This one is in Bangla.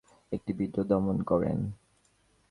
তিনি টলেডোয় খ্রিষ্টান ও ইহুদিদের একটি বিদ্রোহ দমন করেন।